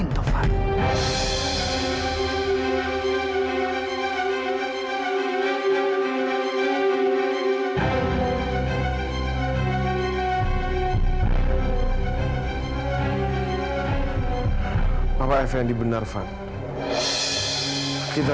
tapi itu gak mungkin om